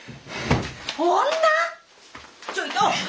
ちょいと！